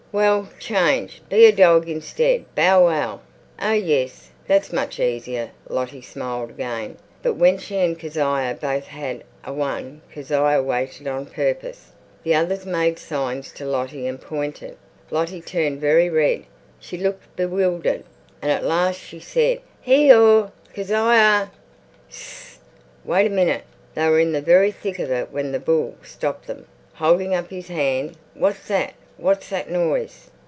"Well, change! Be a dog instead! Bow wow!" "Oh yes. That's much easier." Lottie smiled again. But when she and Kezia both had a one Kezia waited on purpose. The others made signs to Lottie and pointed. Lottie turned very red; she looked bewildered, and at last she said, "Hee haw! Ke zia." "Ss! Wait a minute!" They were in the very thick of it when the bull stopped them, holding up his hand. "What's that? What's that noise?"